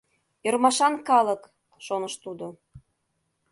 «Ӧрмашан калык!» — шоныш тудо.